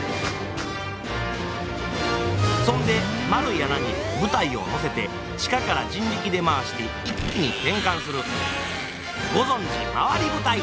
そんで円い穴に舞台を載せて地下から人力で回して一気に転換するご存じ回り舞台！